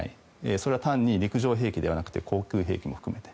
それは単に陸上兵器ではなくて航空兵器も含めて。